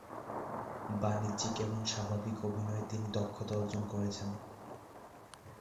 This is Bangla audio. বাণিজ্যিক এবং স্বাভাবিক অভিনয়ে তিনি দক্ষতা অর্জন করেছেন।।